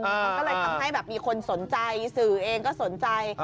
มันก็เลยทำให้แบบมีคนสนใจสื่อเองก็สนใจ